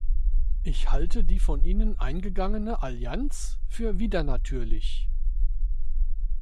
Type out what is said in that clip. Ich halte die von ihnen eingegangene Allianz für widernatürlich.